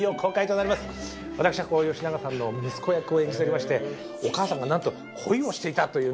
私は吉永さんの息子役を演じておりましてお母さんがなんと恋をしていたというね。